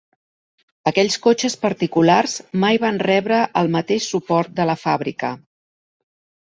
Aquells cotxes particulars mai van rebre el mateix suport de la fàbrica.